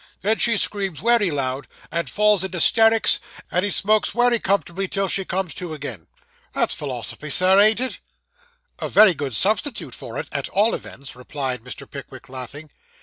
Then she screams wery loud, and falls into 'sterics; and he smokes wery comfortably till she comes to agin. That's philosophy, Sir, ain't it?' 'A very good substitute for it, at all events,' replied Mr. Pickwick, laughing.